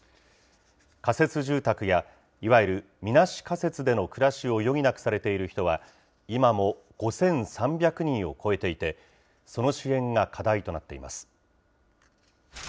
仮設住宅やいわゆるみなし仮設での暮らしを余儀なくされている人は、今も５３００人を超えていて、黙とう。